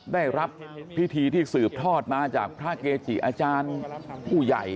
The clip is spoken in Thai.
ได้รับพิธีที่สืบทอดมาจากพระเกจิอาจารย์ผู้ใหญ่